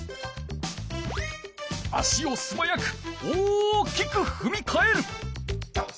足をすばやく大きくふみかえる。